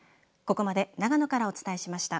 ここまで長野からお伝えしました。